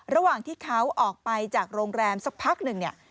ระหว่างที่เขาออกไปจากโรงแรมสักพักหนึ่งเนี่ย